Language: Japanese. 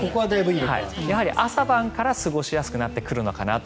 朝晩から過ごしやすくなってくるのかなと。